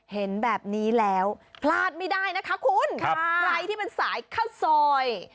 เห็นแบบนี้แล้วพลาดไม่ได้นะคะคุณใครที่เป็นสายข้าวซอย